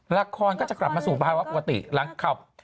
ละครก็จะกลับมาสู่ภาวะปกติหลังขับ